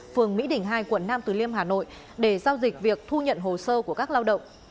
phường mỹ đình hai quận nam từ liêm hà nội để giao dịch việc thu nhận hồ sơ của các lao động